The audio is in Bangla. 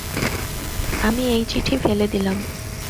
আমি এই চিঠি ফেলে দিলাম।